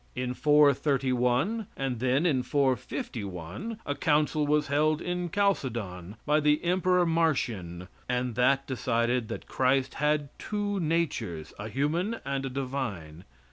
In 431, and then in 451, a council was held in Chalcedon, by the Emperor Marcian, and that decided that Christ had two natures a human and a divine.